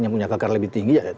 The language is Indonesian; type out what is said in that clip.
yang punya kekar lebih tinggi ya